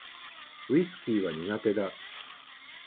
ウィスキーは苦手だ